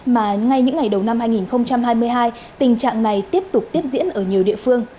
mà ngay những ngày đầu năm hai nghìn hai mươi hai tình trạng này tiếp tục tiếp diễn ở nhiều địa phương